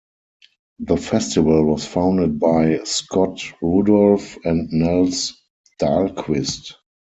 The festival was founded by Scott Rudolph and Nels Dahlquist.